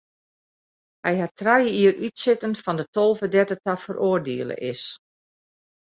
Hy hat trije jier útsitten fan de tolve dêr't er ta feroardiele is.